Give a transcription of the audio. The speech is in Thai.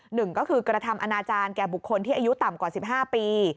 หนึ่งก็คือกระทำอนาจารย์แก่บุคคลที่อายุต่ำกว่า๑๕ปี